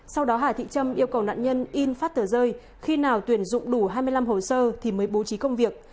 sau đó hà thị trâm yêu cầu nạn nhân in phát tờ rơi khi nào tuyển dụng đủ hai mươi năm hồ sơ thì mới bố trí công việc